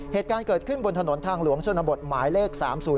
เหตุการณ์เกิดขึ้นบนถนนทางหลวงชนบทหมายเลข๓๐